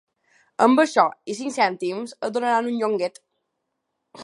Amb això i cinc cèntims et donaran un llonguet.